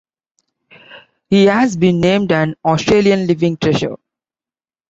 He has been named an Australian Living Treasure.